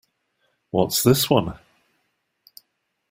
What's this one?